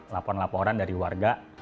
laporan laporan dari warga